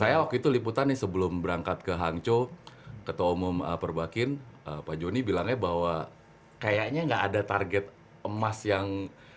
saya waktu itu liputan nih sebelum berangkat ke hangzhou ketua umum perbakin pak joni bilangnya bahwa kayaknya nggak ada target emas yang